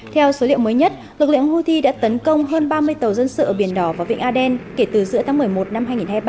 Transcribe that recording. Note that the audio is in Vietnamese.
theo số liệu mới nhất lực lượng houthi đã tấn công hơn ba mươi tàu dân sự ở biển đỏ và vịnh aden kể từ giữa tháng một mươi một năm hai nghìn hai mươi ba